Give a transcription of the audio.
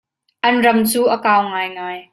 An ram cu a kau ngai ngai.